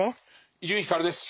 伊集院光です。